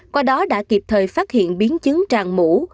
qua đó đã kịp thời phát hiện biến chứng tràn mủ